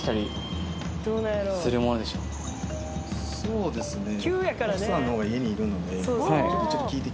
そうですね。